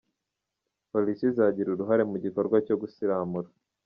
Polisi izagira uruhare mu gikorwa cyo gusiramura